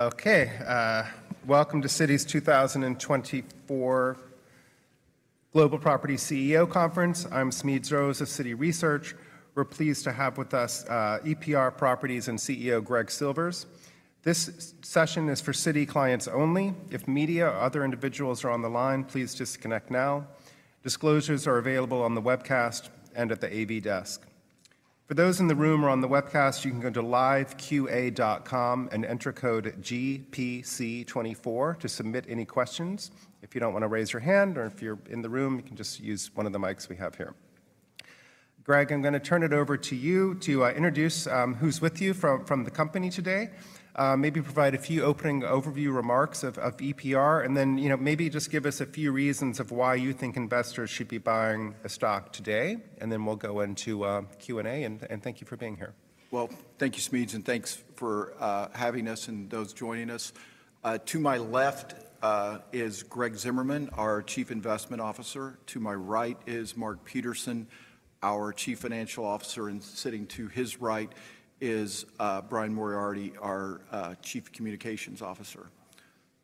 Okay, welcome to Citi's 2024 Global Property CEO Conference. I'm Smedes Rose of Citi Research. We're pleased to have with us EPR Properties and CEO Greg Silvers. This session is for Citi clients only. If media or other individuals are on the line, please disconnect now. Disclosures are available on the webcast and at the AV desk. For those in the room or on the webcast, you can go to liveqa.com and enter code GPC24 to submit any questions. If you don't wanna raise your hand, or if you're in the room, you can just use one of the mics we have here. Greg, I'm gonna turn it over to you to introduce who's with you from the company today. Maybe provide a few opening overview remarks of EPR, and then, you know, maybe just give us a few reasons of why you think investors should be buying the stock today. And then we'll go into Q&A, and thank you for being here. Well, thank you, Smedes, and thanks for having us and those joining us. To my left is Greg Zimmerman, our Chief Investment Officer. To my right is Mark Peterson, our Chief Financial Officer, and sitting to his right is Brian Moriarty, our Chief Communications Officer.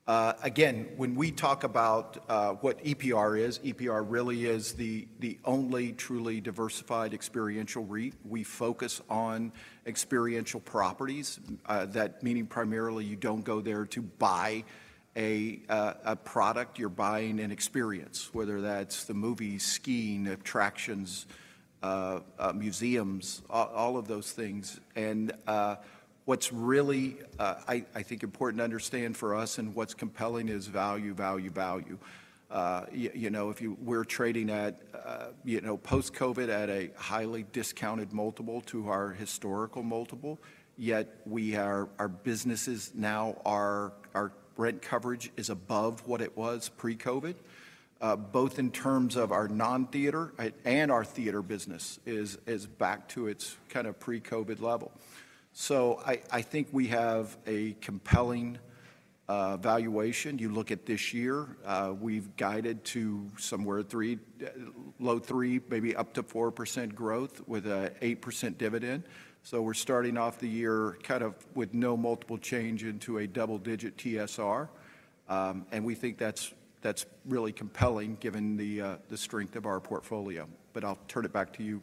Again, when we talk about what EPR is, EPR really is the only truly diversified experiential REIT. We focus on experiential properties, that meaning primarily, you don't go there to buy a product, you're buying an experience, whether that's the movies, skiing, attractions, museums, all of those things. What's really I think important to understand for us and what's compelling is value, value, value. You know, if you know, we're trading at, you know, post-COVID at a highly discounted multiple to our historical multiple, yet we are. Our businesses now are, our rent coverage is above what it was pre-COVID. Both in terms of our non-theater and our theater business is back to its kind of pre-COVID level. So I think we have a compelling valuation. You look at this year, we've guided to somewhere 3, low 3, maybe up to 4% growth with an 8% dividend. So we're starting off the year kind of with no multiple change into a double-digit TSR. And we think that's really compelling given the strength of our portfolio. But I'll turn it back to you,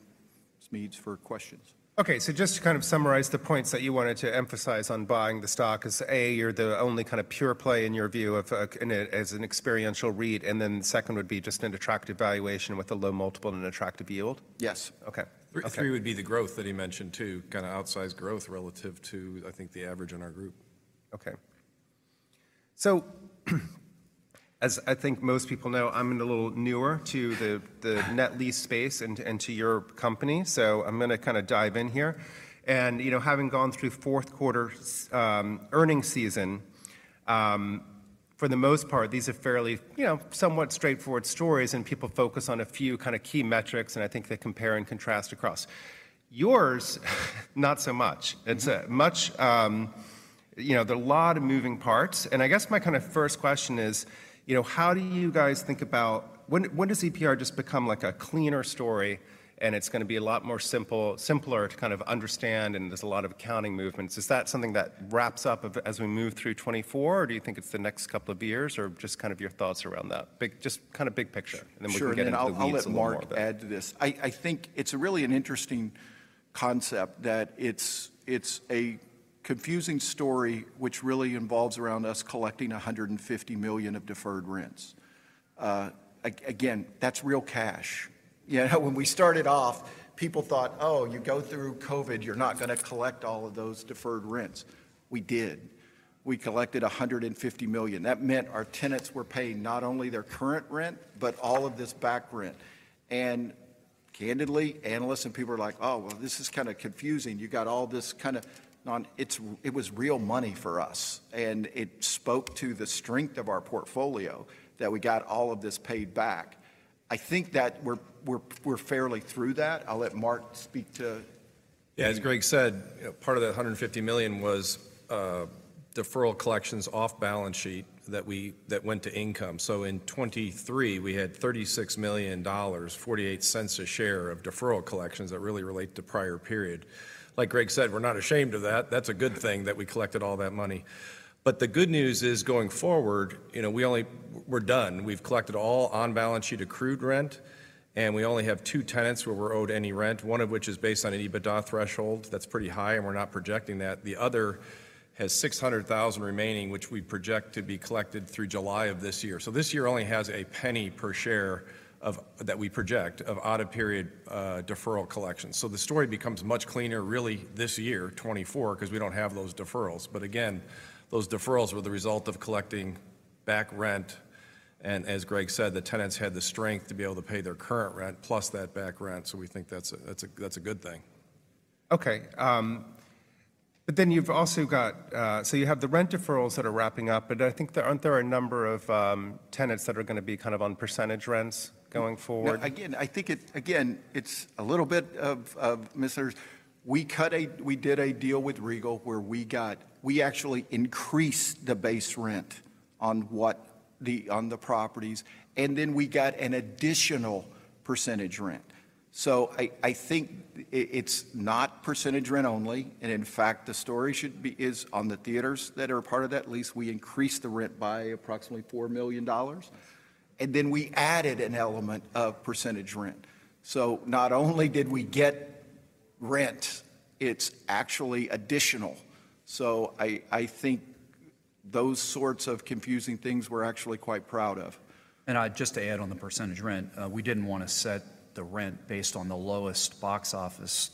Smedes, for questions. Okay. So just to kind of summarize the points that you wanted to emphasize on buying the stock is, A, you're the only kind of pure play, in your view, of, in a, as an experiential REIT, and then second would be just an attractive valuation with a low multiple and an attractive yield? Yes. Okay. Okay. Three would be the growth that he mentioned, too, kinda outsized growth relative to, I think, the average in our group. Okay. So as I think most people know, I'm a little newer to the net lease space and to your company, so I'm gonna kinda dive in here. And, you know, having gone through fourth quarter earnings season, for the most part, these are fairly, you know, somewhat straightforward stories, and people focus on a few kind of key metrics, and I think they compare and contrast across. Yours, not so much. It's a much. You know, there are a lot of moving parts, and I guess my kind of first question is, you know, how do you guys think about. When does EPR just become, like, a cleaner story, and it's gonna be a lot more simpler to kind of understand, and there's a lot of accounting movements? Is that something that wraps up of, as we move through 2024, or do you think it's the next couple of years? Or just kind of your thoughts around that. Just kind of big picture- Sure. And then we can get into the weeds a little more, but- And I'll let Mark add to this. I think it's really an interesting concept that it's a confusing story, which really involves around us collecting $150 million of deferred rents. Again, that's real cash. You know, when we started off, people thought, "Oh, you go through COVID, you're not gonna collect all of those deferred rents." We did. We collected $150 million. That meant our tenants were paying not only their current rent, but all of this back rent. And candidly, analysts and people were like: "Oh, well, this is kind of confusing. You got all this kind of non..." It was real money for us, and it spoke to the strength of our portfolio that we got all of this paid back. I think that we're fairly through that. I'll let Mark speak to- Yeah, as Greg said, you know, part of that $150 million was deferral collections off balance sheet that went to income. So in 2023, we had $36 million, $0.48 per share of deferral collections that really relate to prior period. Like Greg said, we're not ashamed of that. That's a good thing that we collected all that money. But the good news is, going forward, you know, we only... We're done. We've collected all on-balance sheet accrued rent, and we only have two tenants where we're owed any rent, one of which is based on an EBITDA threshold that's pretty high, and we're not projecting that. The other has $600,000 remaining, which we project to be collected through July of this year. So this year only has a $0.01 per share of that we project, of audit period deferral collections. So the story becomes much cleaner really this year, 2024, 'cause we don't have those deferrals. But again, those deferrals were the result of collecting back rent, and as Greg said, the tenants had the strength to be able to pay their current rent plus that back rent, so we think that's a, that's a, that's a good thing. Okay, but then you've also got... So you have the rent deferrals that are wrapping up, but I think there, aren't there a number of tenants that are gonna be kind of on percentage rents going forward? Again, I think it's a little bit of misconceptions. We did a deal with Regal, where we actually increased the base rent on the properties, and then we got an additional percentage rent. So I think it's not percentage rent only, and in fact, the story is on the theaters that are a part of that lease, we increased the rent by approximately $4 million, and then we added an element of percentage rent. So not only did we get rent, it's actually additional. So I think those sorts of confusing things, we're actually quite proud of. Just to add on the percentage rent, we didn't wanna set the rent based on the lowest box office,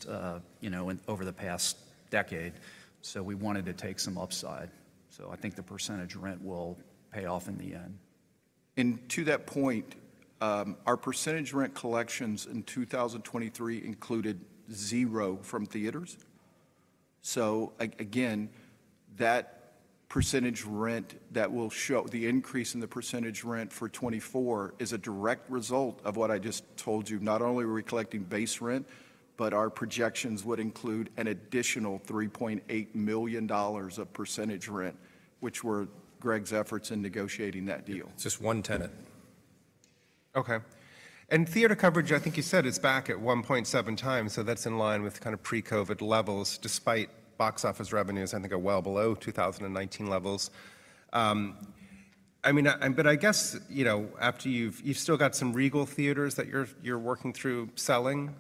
you know, in over the past decade, so we wanted to take some upside. So I think the percentage rent will pay off in the end. To that point, our percentage rent collections in 2023 included 0 from theaters. So again, that percentage rent that will show the increase in the percentage rent for 2024 is a direct result of what I just told you. Not only were we collecting base rent, but our projections would include an additional $3.8 million of percentage rent, which were Greg's efforts in negotiating that deal. It's just one tenant. Okay. And theater coverage, I think you said, is back at 1.7 times, so that's in line with kind of pre-COVID levels, despite box office revenues, I think, are well below 2019 levels. I mean, but I guess, you know, after you've... You've still got some Regal theaters that you're working through selling.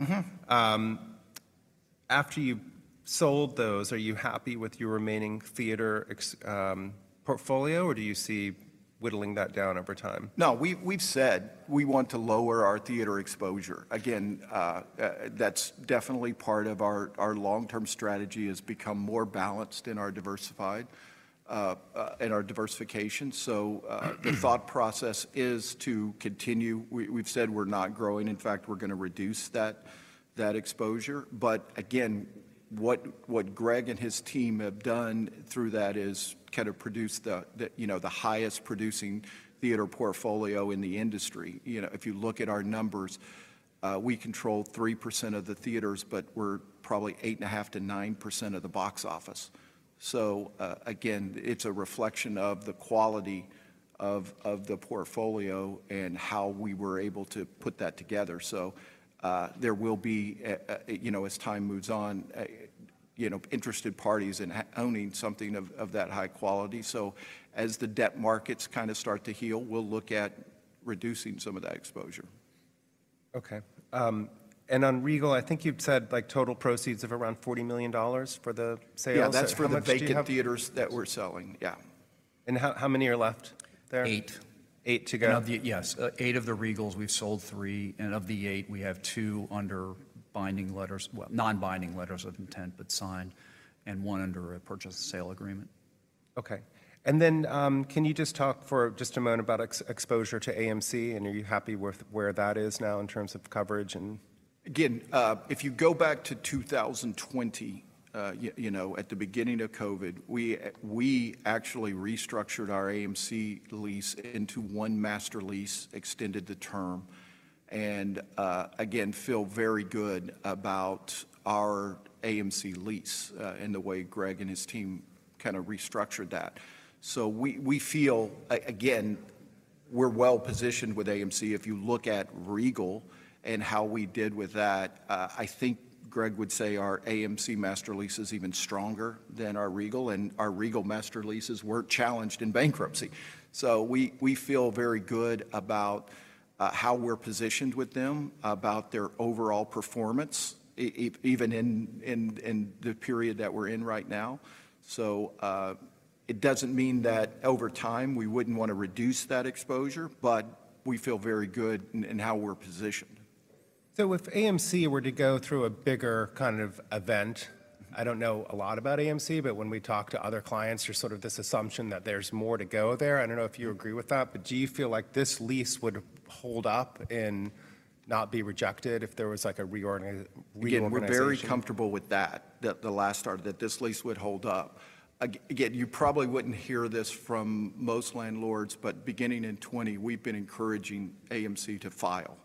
After you've sold those, are you happy with your remaining theater ex, portfolio, or do you see whittling that down over time? No, we've said we want to lower our theater exposure. Again, that's definitely part of our long-term strategy is become more balanced in our diversified, in our diversification. The thought process is to continue. We've said we're not growing, in fact, we're gonna reduce that exposure. But again, what Greg and his team have done through that is kind of produce the, you know, the highest producing theater portfolio in the industry. You know, if you look at our numbers, we control 3% of the theaters, but we're probably 8.5%-9% of the box office. So, again, it's a reflection of the quality of the portfolio and how we were able to put that together. So, there will be, you know, as time moves on, you know, interested parties in owning something of that high quality. So as the debt markets kind of start to heal, we'll look at reducing some of that exposure. Okay. And on Regal, I think you've said, like, total proceeds of around $40 million for the sale. Yeah, that's for- How much do you have? the vacant theaters that we're selling. Yeah. How, how many are left there? Eight. 8 to go? Of the 8 Regals, we've sold 3, and of the 8, we have 2 under binding letters, well, non-binding letters of intent, but signed, and 1 under a purchase sale agreement. Okay. And then, can you just talk for just a moment about exposure to AMC, and are you happy with where that is now in terms of coverage and- Again, if you go back to 2020, you know, at the beginning of COVID, we actually restructured our AMC lease into one master lease, extended the term, and again, feel very good about our AMC lease, and the way Greg and his team kind of restructured that. So we feel again, we're well-positioned with AMC. If you look at Regal and how we did with that, I think Greg would say our AMC master lease is even stronger than our Regal, and our Regal master leases were challenged in bankruptcy. So we feel very good about how we're positioned with them, about their overall performance, even in the period that we're in right now. It doesn't mean that over time we wouldn't want to reduce that exposure, but we feel very good in how we're positioned. So if AMC were to go through a bigger kind of event, I don't know a lot about AMC, but when we talk to other clients, there's sort of this assumption that there's more to go there. I don't know if you agree with that, but do you feel like this lease would hold up and not be rejected if there was, like, a reorganization? Again, we're very comfortable with that, that the landlord, that this lease would hold up. Again, you probably wouldn't hear this from most landlords, but beginning in 2020, we've been encouraging AMC to file.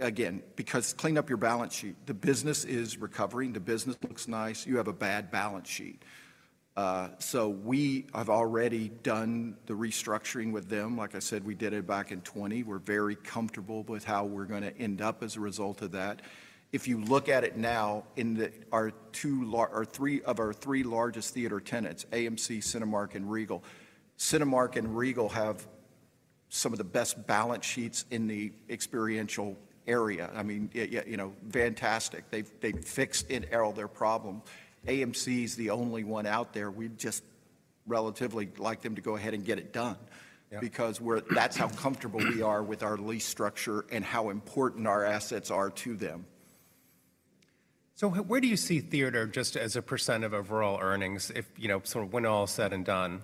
Again, because clean up your balance sheet, the business is recovering, the business looks nice, you have a bad balance sheet. So we have already done the restructuring with them. Like I said, we did it back in 2020. We're very comfortable with how we're gonna end up as a result of that. If you look at it now, our three largest theater tenants, AMC, Cinemark, and Regal. Cinemark and Regal have some of the best balance sheets in the experiential area. I mean, yeah, yeah, you know, fantastic. They've, they've fixed financial their problem. AMC is the only one out there. We'd just relatively like them to go ahead and get it done- Yeah... because that's how comfortable we are with our lease structure and how important our assets are to them. So where do you see theater just as a % of overall earnings, if, you know, sort of when all is said and done?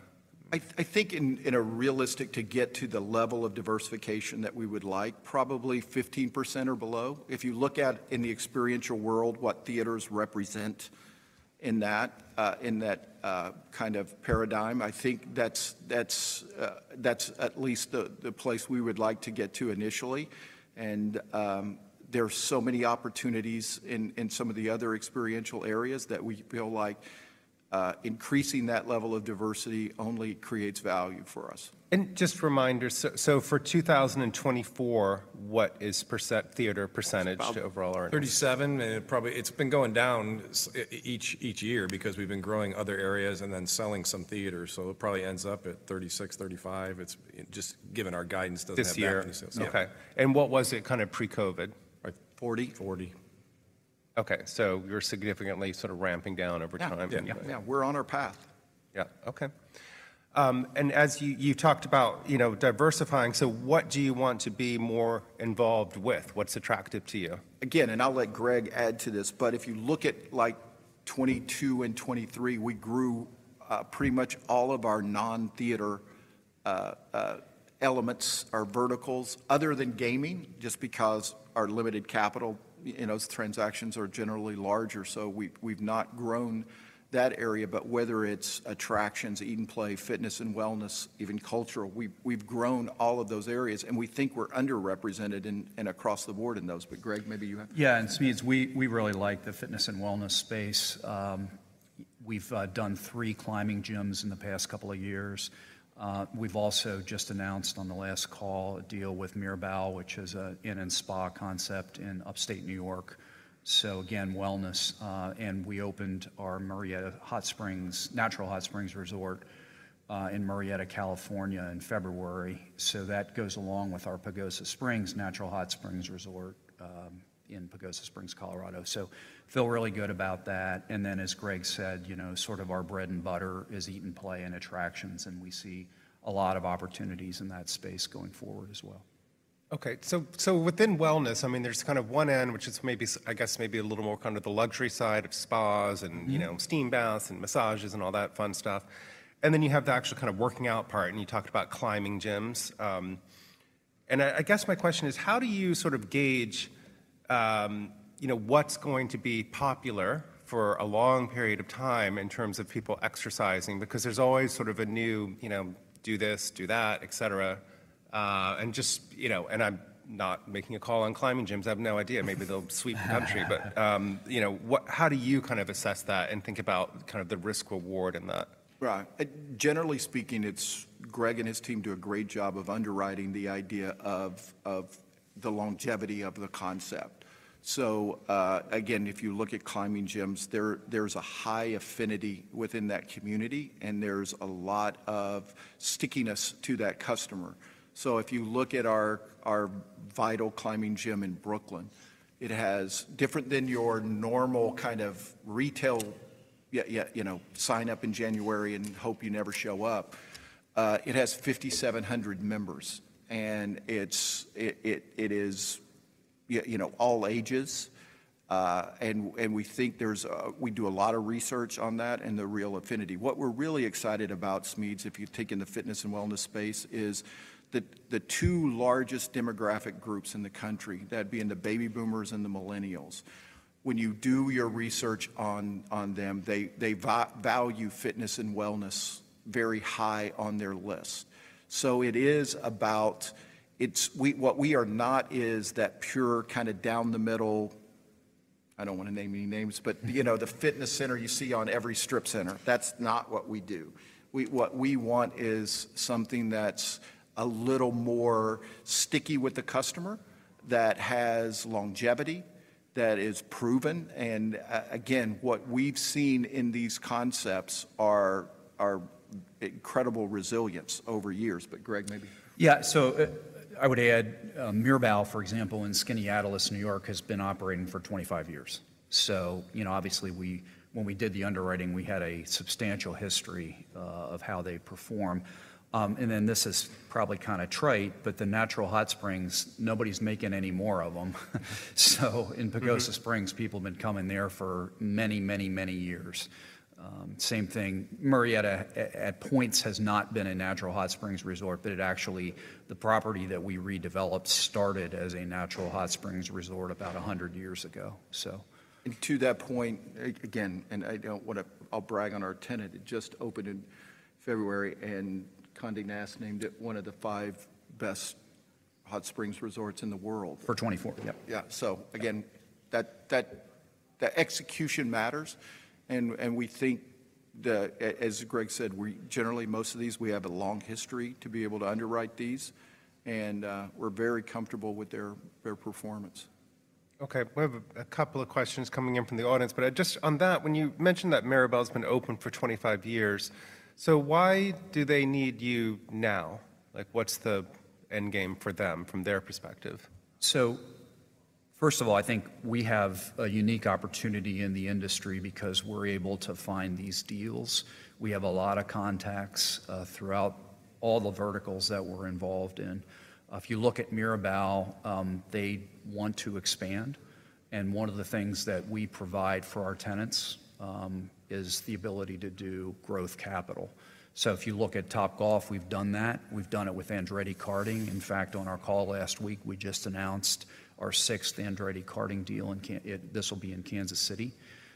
I think in a realistic, to get to the level of diversification that we would like, probably 15% or below. If you look at the experiential world, what theaters represent in that kind of paradigm, I think that's the place we would like to get to initially. And there are so many opportunities in some of the other experiential areas that we feel like increasing that level of diversity only creates value for us. Just a reminder, so for 2024, what is the theater percentage to overall earnings? About 37, and it probably. It's been going down each year because we've been growing other areas and then selling some theaters, so it probably ends up at 36, 35. It's just given our guidance, doesn't have- This year? Yeah. Okay. What was it kind of pre-COVID? Forty. Forty. Okay, so you're significantly sort of ramping down over time. Yeah. Yeah. Yeah, we're on our path. Yeah, okay. As you, you've talked about, you know, diversifying, so what do you want to be more involved with? What's attractive to you? Again, and I'll let Greg add to this, but if you look at, like, 2022 and 2023, we grew pretty much all of our non-theater elements, our verticals, other than gaming, just because our limited capital, you know, transactions are generally larger, so we've not grown that area. But whether it's attractions, eat and play, fitness and wellness, even cultural, we've grown all of those areas, and we think we're underrepresented across the board in those. But Greg, maybe you have- Yeah, and Smedes, we really like the fitness and wellness space. We've done three climbing gyms in the past couple of years. We've also just announced on the last call a deal with Mirbeau, which is an inn and spa concept in upstate New York. So again, wellness, and we opened our Murrieta Hot Springs, natural hot springs resort, in Murrieta, California, in February. So that goes along with our Pagosa Springs natural hot springs resort, in Pagosa Springs, Colorado. So feel really good about that. And then, as Greg said, you know, sort of our bread and butter is eat and play, and attractions, and we see a lot of opportunities in that space going forward as well. Okay, so within wellness, I mean, there's kind of one end, which is maybe I guess maybe a little more kind of the luxury side of spas and-... you know, steam baths and massages and all that fun stuff. And then you have the actual kind of working out part, and you talked about climbing gyms. And I guess my question is: How do you sort of gauge, you know, what's going to be popular for a long period of time in terms of people exercising? Because there's always sort of a new, you know, do this, do that, et cetera. And just, you know, and I'm not making a call on climbing gyms. I have no idea. Maybe they'll sweep the country-... but, you know, what, how do you kind of assess that and think about kind of the risk/reward in that? Right. Generally speaking, it's Greg and his team do a great job of underwriting the idea of the longevity of the concept. So, again, if you look at climbing gyms, there's a high affinity within that community, and there's a lot of stickiness to that customer. So if you look at our VITAL Climbing Gym in Brooklyn, it has different than your normal kind of retail, yeah, yeah, you know, sign up in January and hope you never show up, it has 5,700 members, and it is, yeah, you know, all ages. And we think there's... We do a lot of research on that and the real affinity. What we're really excited about, Smedes, if you take in the fitness and wellness space, is the two largest demographic groups in the country, that being the baby boomers and the millennials, when you do your research on them, they value fitness and wellness very high on their list. So it is about. It's what we are not is that pure, kind of down the middle. I don't want to name any names, but you know, the fitness center you see on every strip center. That's not what we do. What we want is something that's a little more sticky with the customer, that has longevity, that is proven, and again, what we've seen in these concepts are incredible resilience over years. But Greg, maybe- Yeah, so, I would add Mirbeau, for example, in Skaneateles, New York, has been operating for 25 years. So, you know, obviously, when we did the underwriting, we had a substantial history of how they perform. And then this is probably kind of trite, but the natural hot springs, nobody's making any more of them. So-... in Pagosa Springs, people have been coming there for many, many, many years. Same thing, Murrieta at points has not been a natural hot springs resort, but it actually, the property that we redeveloped started as a natural hot springs resort about 100 years ago, so. To that point, again, and I don't wanna... I'll brag on our tenant. It just opened in February, and Condé Nast named it one of the five best hot springs resorts in the world. For 2024. Yep. Yeah. So again, the execution matters, and we think that as Greg said, we generally, most of these, we have a long history to be able to underwrite these, and we're very comfortable with their performance. Okay. We have a couple of questions coming in from the audience, but on that, when you mentioned that Mirbeau's been open for 25 years, so why do they need you now? Like, what's the end game for them from their perspective? First of all, I think we have a unique opportunity in the industry because we're able to find these deals. We have a lot of contacts throughout all the verticals that we're involved in. If you look at Mirbeau, they want to expand, and one of the things that we provide for our tenants is the ability to do growth capital. So if you look at Topgolf, we've done that. We've done it with Andretti Karting. In fact, on our call last week, we just announced our sixth Andretti Karting deal in Kansas City.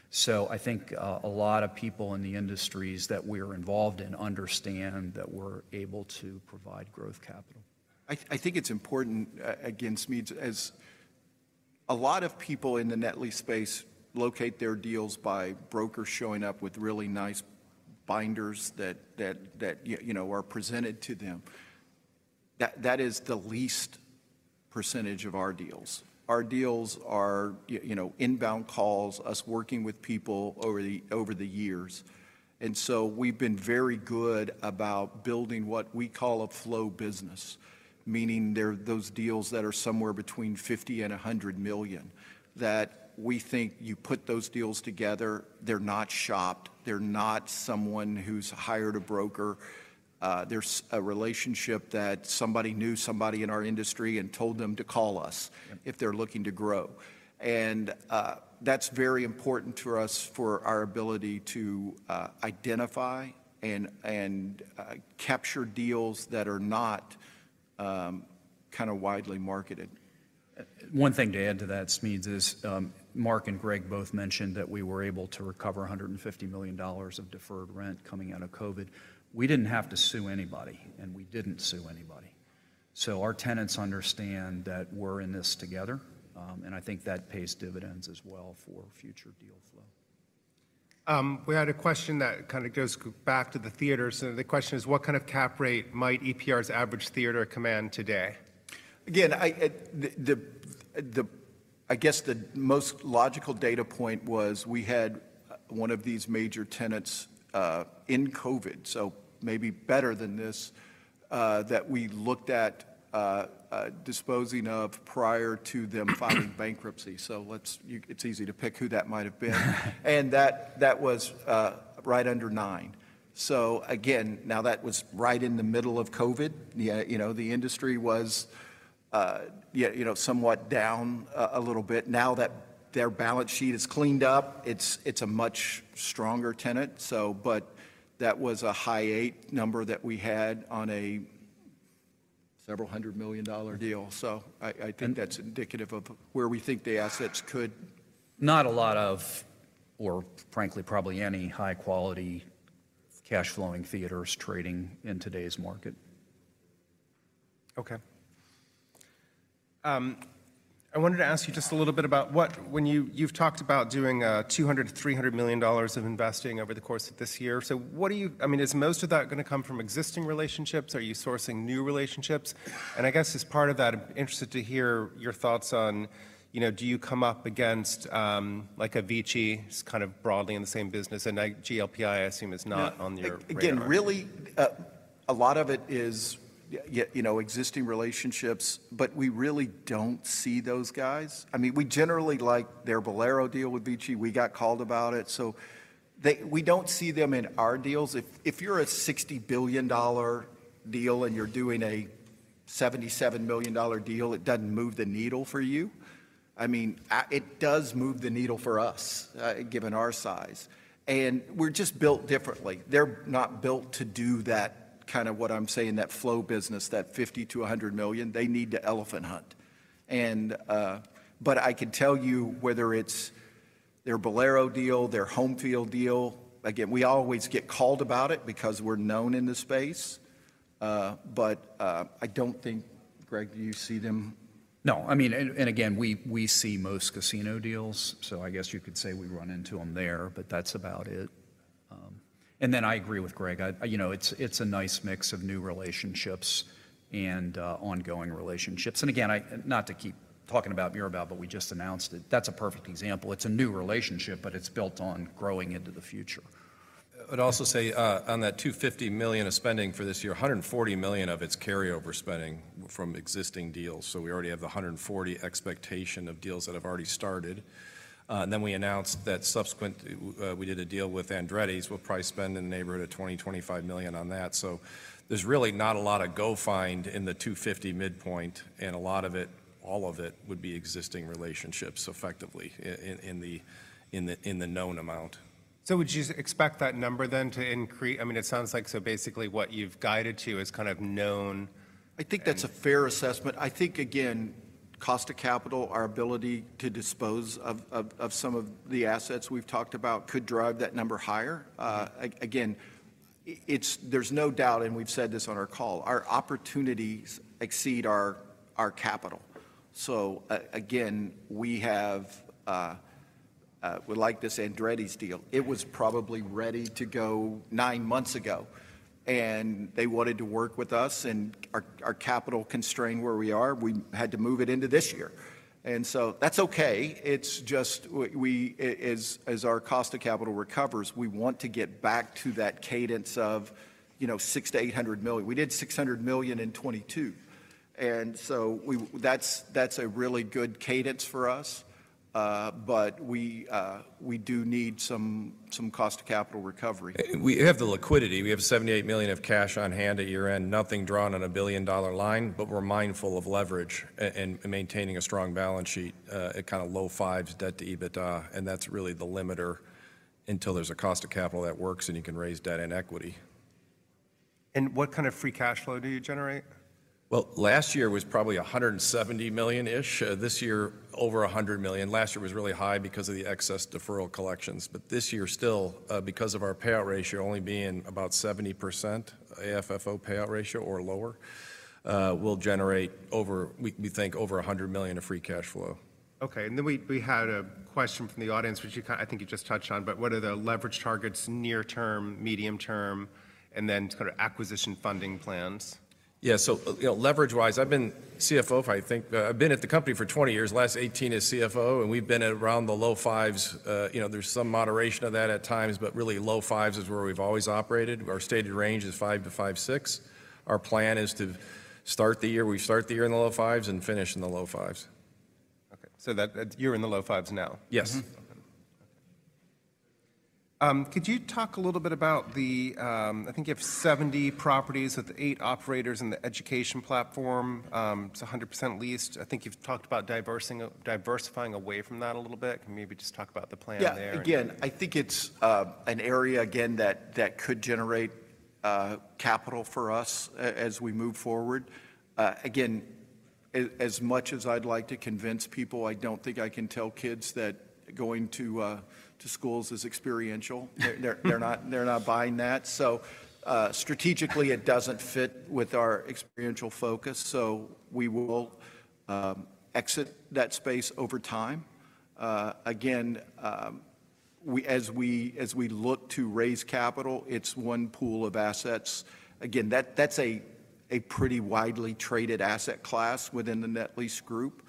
So I think a lot of people in the industries that we're involved in understand that we're able to provide growth capital. I think it's important, again, Smedes. A lot of people in the net lease space locate their deals by brokers showing up with really nice binders that you know are presented to them. That is the least percentage of our deals. Our deals are, you know, inbound calls, us working with people over the years. And so we've been very good about building what we call a flow business, meaning they're those deals that are somewhere between $50 million and $100 million, that we think you put those deals together, they're not shopped. They're not someone who's hired a broker. There's a relationship that somebody knew somebody in our industry and told them to call us- - if they're looking to grow. And that's very important to us for our ability to identify and capture deals that are not kinda widely marketed. One thing to add to that, Smedes, is, Mark and Greg both mentioned that we were able to recover $150 million of deferred rent coming out of COVID. We didn't have to sue anybody, and we didn't sue anybody. So our tenants understand that we're in this together, and I think that pays dividends as well for future deal flow. We had a question that kinda goes back to the theaters, and the question is: What kind of cap rate might EPR's average theater command today? Again, I guess the most logical data point was we had one of these major tenants in COVID, so maybe better than this that we looked at disposing of prior to them filing bankruptcy. So it's easy to pick who that might have been. And that was right under nine. So again, now that was right in the middle of COVID. Yeah, you know, the industry was somewhat down a little bit. Now that their balance sheet is cleaned up, it's a much stronger tenant, so but that was a high eight number that we had on a $several hundred million deal. So I think that's indicative of where we think the assets could- Not a lot of, or frankly, probably any high-quality, cash-flowing theaters trading in today's market. Okay. I wanted to ask you just a little bit about what you've talked about doing $200 million-$300 million of investing over the course of this year. So what are you—I mean, is most of that gonna come from existing relationships? Are you sourcing new relationships? And I guess as part of that, I'm interested to hear your thoughts on, you know, do you come up against, like a VICI? It's kind of broadly in the same business, and I... GLPI, I assume, is not on your radar. Again, really, a lot of it is, you know, existing relationships, but we really don't see those guys. I mean, we generally like their Bowlero deal with VICI. We got called about it, so they—we don't see them in our deals. If, if you're a $60 billion deal, and you're doing a $77 million deal, it doesn't move the needle for you. I mean, it does move the needle for us, given our size, and we're just built differently. They're not built to do that, kinda what I'm saying, that flow business, that $50 million-$100 million. They need to elephant hunt. But I can tell you whether it's their Bowlero deal, their Homefield deal, again, we always get called about it because we're known in the space. But, I don't think... Greg, do you see them? No. I mean, and again, we see most casino deals, so I guess you could say we run into them there, but that's about it. And then I agree with Greg. I, you know, it's a nice mix of new relationships and, ongoing relationships. And again, I not to keep talking about Miraval, but we just announced it. That's a perfect example. It's a new relationship, but it's built on growing into the future. I'd also say, on that $250 million of spending for this year, $140 million of it's carryover spending from existing deals. So we already have the 140 expectation of deals that have already started. And then we announced that subsequent, we did a deal with Andretti's. We'll probably spend in the neighborhood of $20-$25 million on that. So there's really not a lot of go find in the $250 midpoint, and a lot of it, all of it, would be existing relationships effectively in the known amount. So would you expect that number then to increase? I mean, it sounds like, so basically, what you've guided to is kind of known- I think that's a fair assessment. I think, again, cost of capital, our ability to dispose of some of the assets we've talked about, could drive that number higher. Again, it's—there's no doubt, and we've said this on our call, our opportunities exceed our capital. So again, we have. We like this Andretti's deal. It was probably ready to go nine months ago, and they wanted to work with us, and our capital constraint where we are, we had to move it into this year. And so that's okay. It's just we, as our cost of capital recovers, we want to get back to that cadence of, you know, $600-$800 million. We did $600 million in 2022, and so that's a really good cadence for us. But we do need some cost of capital recovery. We have the liquidity. We have $78 million of cash on hand at year-end. Nothing drawn on a billion-dollar line, but we're mindful of leverage and maintaining a strong balance sheet at kinda low-5s debt-to-EBITDA, and that's really the limiter until there's a cost of capital that works, and you can raise debt and equity. What kind of free cash flow do you generate? Well, last year was probably $170 million-ish. This year, over $100 million. Last year was really high because of the excess deferral collections, but this year still, because of our payout ratio only being about 70%, AFFO payout ratio or lower, we'll generate, we think, over $100 million of free cash flow.... Okay, and then we had a question from the audience, which you - I think you just touched on, but what are the leverage targets near term, medium term, and then sort of acquisition funding plans? Yeah, so, you know, leverage-wise, I've been CFO for, I think, I've been at the company for 20 years, the last 18 as CFO, and we've been at around the low fives. You know, there's some moderation of that at times, but really low fives is where we've always operated. Our stated range is 5-5.6. Our plan is to start the year, we start the year in the low fives and finish in the low fives. Okay, so that, you're in the low fives now? Yes. Mm-hmm. Could you talk a little bit about the... I think you have 70 properties with 8 operators in the education platform, it's 100% leased. I think you've talked about diversifying away from that a little bit. Can you maybe just talk about the plan there? Yeah. Again, I think it's an area again that could generate capital for us as we move forward. Again, as much as I'd like to convince people, I don't think I can tell kids that going to schools is experiential. They're, they're not, they're not buying that. So, strategically, it doesn't fit with our experiential focus, so we will exit that space over time. Again, as we look to raise capital, it's one pool of assets. Again, that's a pretty widely traded asset class within the net lease group,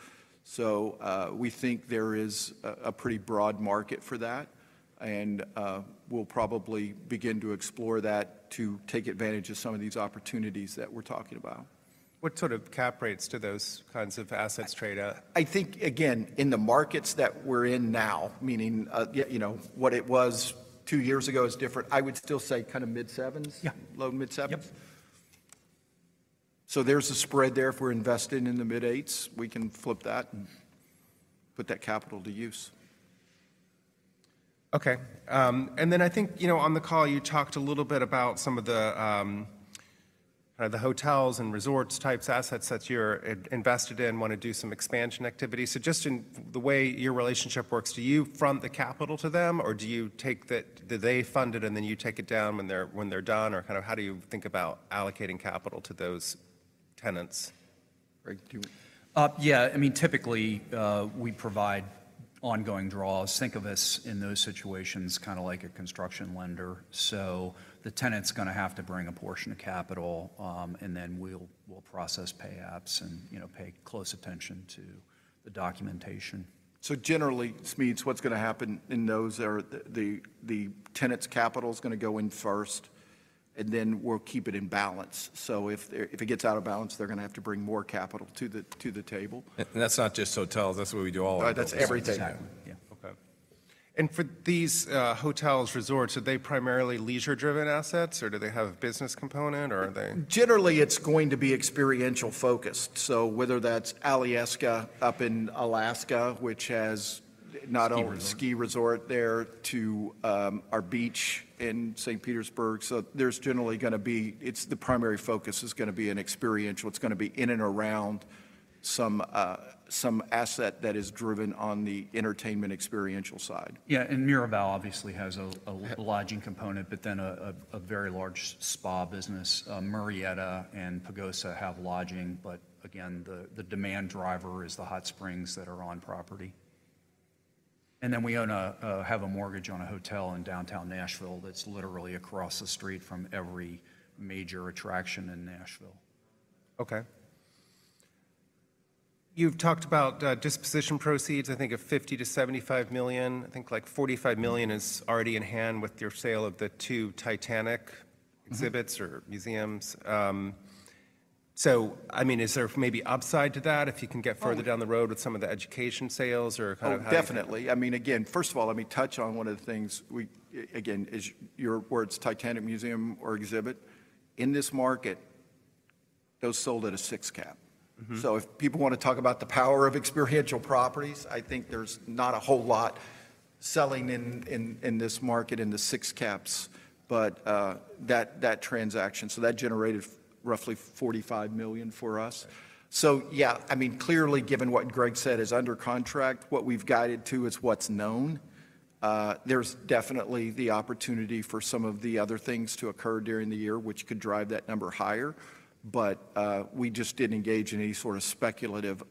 so we think there is a pretty broad market for that, and we'll probably begin to explore that to take advantage of some of these opportunities that we're talking about. What sort of cap rates do those kinds of assets trade at? I think, again, in the markets that we're in now, meaning, yeah, you know, what it was two years ago is different. I would still say kind of mid-sevens- Yeah... low mid-7s. There's a spread there. If we're invested in the mid-eights, we can flip that and put that capital to use. Okay. And then I think, you know, on the call you talked a little bit about some of the, kind of the hotels and resorts types assets that you're invested in, want to do some expansion activity. So just in the way your relationship works, do you front the capital to them, or do you take the... Do they fund it and then you take it down when they're done, or kind of how do you think about allocating capital to those tenants? Greg, do you- Yeah, I mean, typically, we provide ongoing draws. Think of us in those situations, kind of like a construction lender. So the tenant's gonna have to bring a portion of capital, and then we'll process pay apps and, you know, pay close attention to the documentation. So generally, Smedes, what's gonna happen in those are the tenant's capital is gonna go in first, and then we'll keep it in balance. So if it gets out of balance, they're gonna have to bring more capital to the table. And that's not just hotels, that's the way we do all of those- That's everything. Exactly, yeah. Okay. And for these hotels, resorts, are they primarily leisure-driven assets, or do they have a business component, or are they? Generally, it's going to be experiential focused. So whether that's Alyeska up in Alaska, which has not only-... ski resort there, to our beach in St. Petersburg. So there's generally gonna be... It's the primary focus is gonna be an experiential. It's gonna be in and around some asset that is driven on the entertainment experiential side. Yeah, and Mirbeau obviously has a lodging component, but then a very large spa business. Murrieta and Pagosa have lodging, but again, the demand driver is the hot springs that are on property. And then we have a mortgage on a hotel in downtown Nashville, that's literally across the street from every major attraction in Nashville. Okay. You've talked about disposition proceeds, I think of $50-$75 million. I think like $45 million is already in hand with your sale of the two Titanic-... exhibits or museums. So I mean, is there maybe upside to that, if you can get-... further down the road with some of the education sales, or kind of how- Oh, definitely. I mean, again, first of all, let me touch on one of the things we again, it's your words, Titanic Museum or exhibit. In this market, those sold at a 6 cap. So if people wanna talk about the power of experiential properties, I think there's not a whole lot selling in this market in the six caps, but that transaction. So that generated roughly $45 million for us. So yeah, I mean, clearly, given what Greg said is under contract, what we've guided to is what's known. There's definitely the opportunity for some of the other things to occur during the year, which could drive that number higher. But we just didn't engage in any sort of speculative,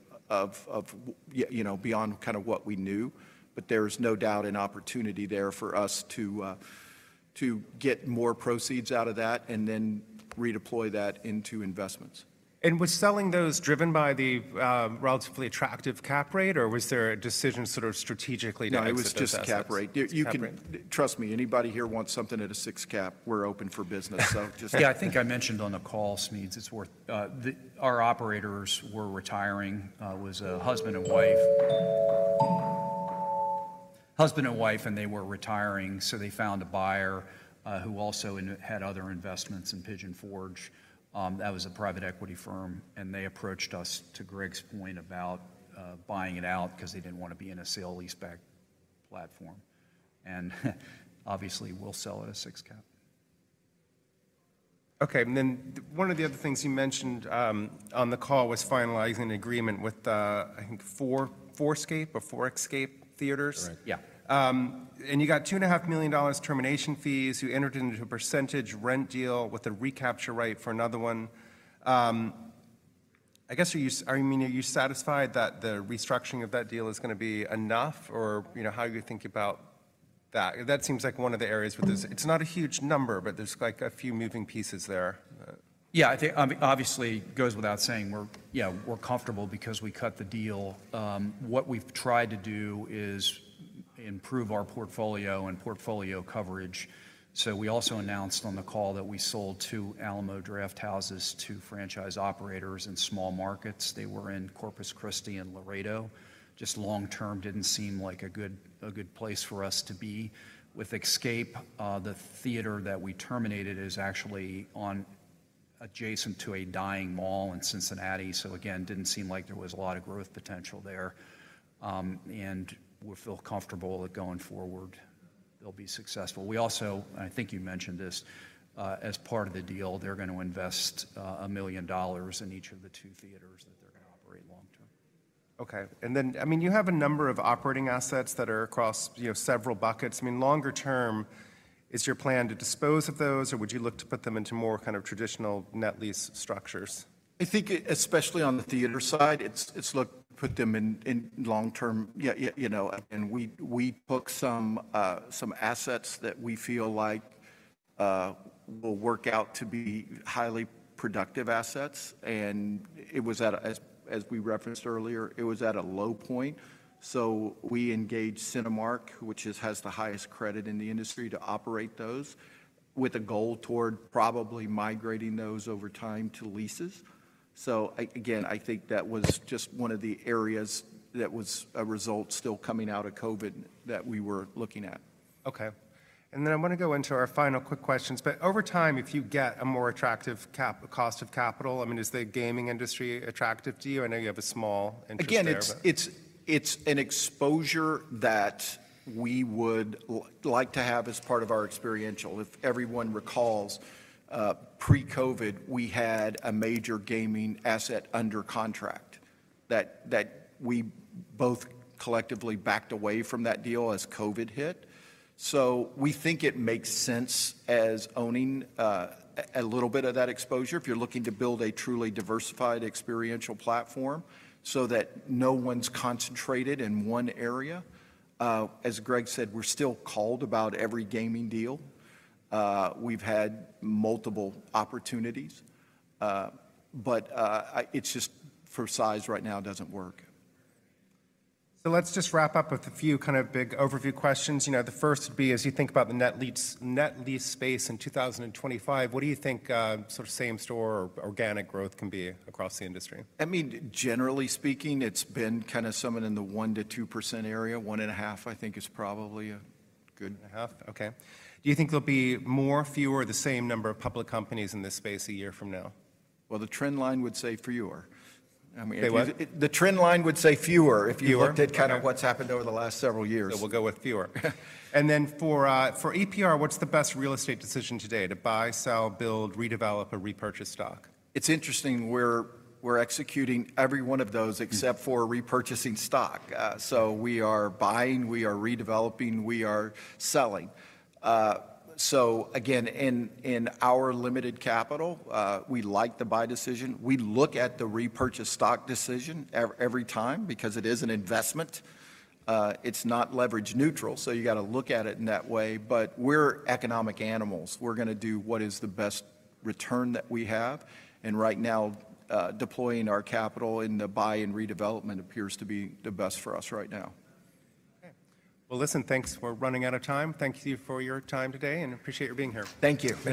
you know, beyond kind of what we knew. But there is no doubt an opportunity there for us to get more proceeds out of that and then redeploy that into investments. Was selling those driven by the relatively attractive cap rate, or was there a decision sort of strategically to exit those assets? No, it was just Cap Rate. You can... Trust me, anybody here wants something at a 6 cap, we're open for business. So just- Yeah, I think I mentioned on the call, Smedes, it's worth... The, our operators were retiring, was a husband and wife. Husband and wife, and they were retiring, so they found a buyer, who also had other investments in Pigeon Forge. That was a private equity firm, and they approached us, to Greg's point, about buying it out, because they didn't want to be in a sale-leaseback platform. And obviously, we'll sell at a six cap. Okay, and then one of the other things you mentioned on the call was finalizing an agreement with the, I think, four Xscape Theatres. Right. Yeah. you got $2.5 million termination fees, you entered into a percentage rent deal with a recapture right for another one. I guess, are you, I mean, are you satisfied that the restructuring of that deal is gonna be enough? Or, you know, how do you think about that? That seems like one of the areas where there's. It's not a huge number, but there's, like, a few moving pieces there. Yeah, I think, obviously, it goes without saying we're comfortable because we cut the deal. What we've tried to do is improve our portfolio and portfolio coverage. So we also announced on the call that we sold 2 Alamo Drafthouses to franchise operators in small markets. They were in Corpus Christi and Laredo. Just long term, didn't seem like a good place for us to be. With Xscape, the theater that we terminated is actually adjacent to a dying mall in Cincinnati, so again, didn't seem like there was a lot of growth potential there. And we feel comfortable that going forward, they'll be successful. We also, and I think you mentioned this, as part of the deal, they're gonna invest $1 million in each of the 2 theaters that they're gonna operate long term. Okay. And then, I mean, you have a number of operating assets that are across, you know, several buckets. I mean, longer term, is your plan to dispose of those, or would you look to put them into more kind of traditional net lease structures? I think especially on the theater side, it's looking to put them in long term. Yeah, you know, and we took some assets that we feel like will work out to be highly productive assets, and it was at, as we referenced earlier, it was at a low point. So we engaged Cinemark, which has the highest credit in the industry, to operate those, with a goal toward probably migrating those over time to leases. So again, I think that was just one of the areas that was a result still coming out of COVID that we were looking at. Okay. Then I'm gonna go into our final quick questions. Over time, if you get a more attractive cap- cost of capital, I mean, is the gaming industry attractive to you? I know you have a small interest there, but- Again, it's an exposure that we would like to have as part of our experiential. If everyone recalls, pre-COVID, we had a major gaming asset under contract that we both collectively backed away from that deal as COVID hit. So we think it makes sense as owning a little bit of that exposure if you're looking to build a truly diversified experiential platform, so that no one's concentrated in one area. As Greg said, we're still called about every gaming deal. We've had multiple opportunities, but it's just for size right now, it doesn't work. Let's just wrap up with a few kind of big overview questions. You know, the first would be: As you think about the net lease space in 2025, what do you think, sort of same-store or organic growth can be across the industry? I mean, generally speaking, it's been kinda somewhere in the 1%-2% area. 1.5, I think, is probably a good- 1.5? Okay. Do you think there'll be more, fewer, or the same number of public companies in this space a year from now? Well, the trend line would say fewer. I mean, if you- Say what? The trend line would say fewer- Fewer, okay. If you looked at kinda what's happened over the last several years. So we'll go with fewer. And then for, for EPR, what's the best real estate decision today: to buy, sell, build, redevelop or repurchase stock? It's interesting. We're executing every one of those except for repurchasing stock. So we are buying, we are redeveloping, we are selling. So again, in our limited capital, we like the buy decision. We look at the repurchase stock decision every time because it is an investment. It's not leverage neutral, so you gotta look at it in that way. But we're economic animals. We're gonna do what is the best return that we have, and right now, deploying our capital in the buy and redevelopment appears to be the best for us right now. Okay. Well, listen, thanks. We're running out of time. Thank you for your time today, and appreciate you being here. Thank you. Thank you.